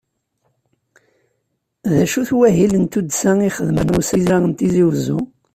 D acu-t wahil n tuddsa i ixeddem usarra n Tizi Uzzu?